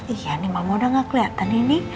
iya nih mama udah gak keliatan ini